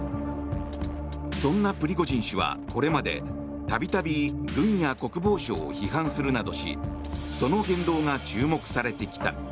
そんなプリゴジン氏はこれまで度々軍や国防省を批判するなどしその言動が注目されてきた。